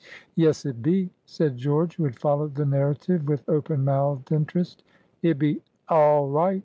"Yes, it be!" said George, who had followed the narrative with open mouthed interest. "It be aal right.